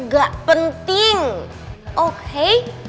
ga penting oke